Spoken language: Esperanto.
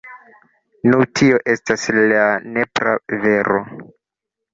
Nu tio estas la nepra vero.